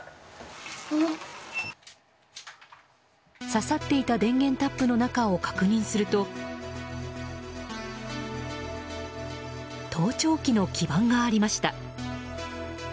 ささっていた電源タップの中を確認すると盗聴器の基盤がありました。